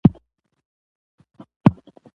مېلې د ټولني د یووالي او ګډ ژوند سېمبولونه دي.